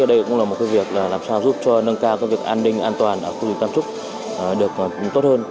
đây cũng là một cái việc làm sao giúp cho nâng cao công việc an ninh an toàn ở khu du lịch tam trúc được tốt hơn